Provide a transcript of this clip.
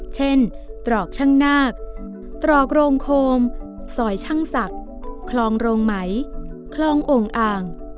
ตรอกช่างนาคตรอกโรงโคมซอยช่างศักดิ์คลองโรงไหมคลององค์อ่าง